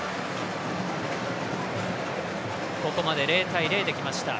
ここまで０対０できました。